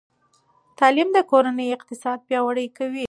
تعلیم د کورنۍ اقتصاد پیاوړی کوي.